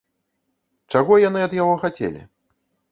Чаго яны ад яго хацелі?